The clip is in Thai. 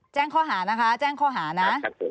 แจ้งข้อหานะคะแจ้งข้อหานะ